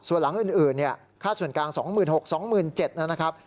ส่วนหลังอื่นค่าส่วนกลาง๒๖๐๐๒๗๐๐นะครับ